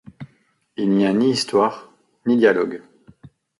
Il n'y a ni histoire, ni dialogues.